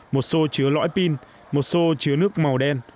một xô chứa lõi pin một xô chứa nước màu đen